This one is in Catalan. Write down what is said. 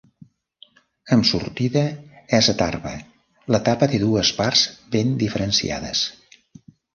Amb sortida és a Tarba, l'etapa té dues parts ben diferenciades.